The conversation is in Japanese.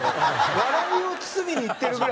笑いを包みにいってるぐらい。